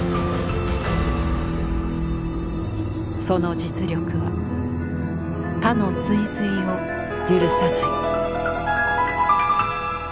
その実力は他の追随を許さない。